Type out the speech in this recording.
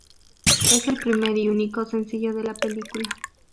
Es el primer y único sencillo de la película.